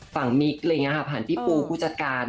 ฝั่งมิคผ่านพี่ปูคู่จัดการ